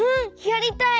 やりたい！